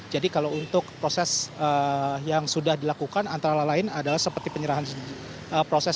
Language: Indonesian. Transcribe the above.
jadi kalau untuk proses yang sudah dilakukan antara lain adalah seperti penyerahan sendiri